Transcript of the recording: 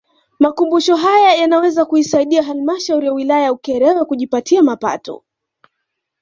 Makumbusho haya yanaweza kuisaidia Halmashauri ya Wilaya ya Ukerewe kujipatia mapato